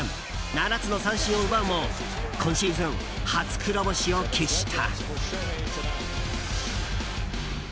７つの三振を奪うも今シーズン初黒星を喫した。